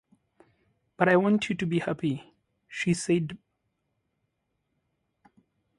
“But I want you to be happy,” she said pathetically.